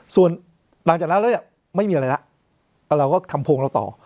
ส่วนหลังจากนั้นแล้วเนี่ยไม่มีอะไรแล้วเราก็ทำโพงเราต่อ